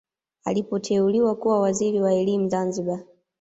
Alipoteuliwa kuwa waziri wa elimu Zanzibari